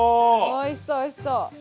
おいしそうおいしそう。